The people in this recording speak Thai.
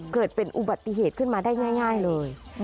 เกิดเป็นอุบัติเหตุขึ้นมาได้ง่ายเลย